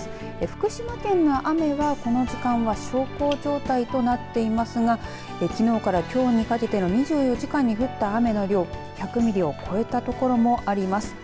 福島県の雨は、この時間は小康状態となっていますがきのうからきょうにかけての２４時間に降った雨の量１００ミリを超えた所もあります。